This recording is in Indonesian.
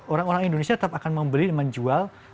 orang orang indonesia tetap akan membeli dan menjual